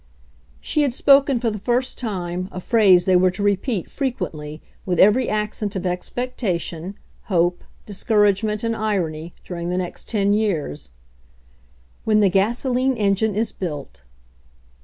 She had spoken for the first time a phrase they were to repeat frequently, with every accent of expectation, hope, discouragement and irony, during the next ten years, "When the gasoline engine is built